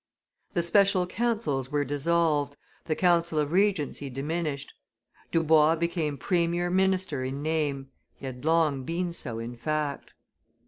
The special councils were dissolved, the council of regency diminished; Dubois became premier minister in name he had long been so in fact.